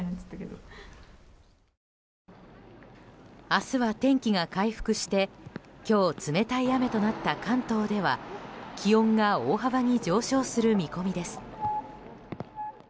明日は天気が回復して今日冷たい雨となった関東では気温が大幅に上昇する見込みです。